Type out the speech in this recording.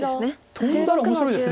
トンだら面白いです。